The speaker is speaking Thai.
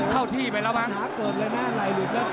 เข้าที่ไปแล้วมั้ย